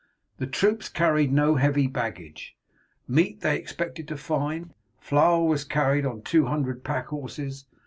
The troops carried no heavy baggage. Meat they expected to find; flour was carried on two hundred pack horses.